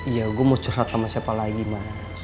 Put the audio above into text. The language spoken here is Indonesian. iya gue mau curhat sama siapa lagi mas